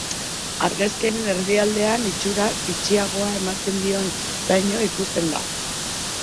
Argazkiaren erdialdean, itxura bitxiagoa ematen dion lainoa ikusten da.